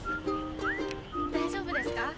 大丈夫ですか？